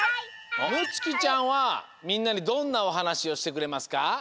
むつきちゃんはみんなにどんなおはなしをしてくれますか？